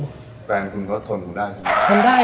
แฟนคุณก็ทนคุณได้